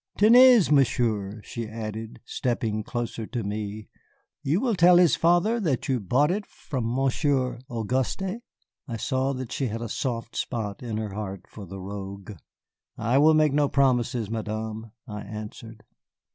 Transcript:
"Tenez, Monsieur," she added, stepping closer to me, "you will tell his father that you bought it from Monsieur Auguste?" I saw that she had a soft spot in her heart for the rogue. "I will make no promises, Madame," I answered.